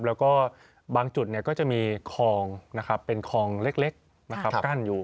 แล้วก็บางจุดก็จะมีคลองนะครับเป็นคลองเล็กกั้นอยู่